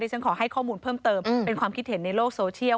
ฉันขอให้ข้อมูลเพิ่มเติมเป็นความคิดเห็นในโลกโซเชียล